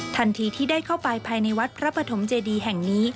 ทันทีที่ได้เข้าไปภายในวัดพระปฐมเจดีแห่งนี้